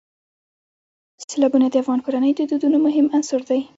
سیلابونه د افغان کورنیو د دودونو مهم عنصر دی.